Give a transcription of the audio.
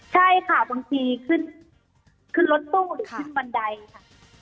ใช่ค่ะบางทีขึ้นรถตู้หรือขึ้นบันไดค่ะ